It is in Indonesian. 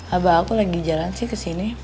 abah aku lagi jalan sih kesini